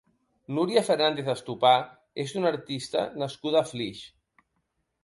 Núria Fernández Estopà és una artista nascuda a Flix.